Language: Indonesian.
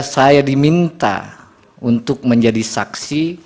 saya diminta untuk menjadi saksi